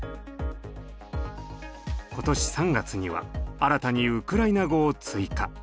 今年３月には新たにウクライナ語を追加。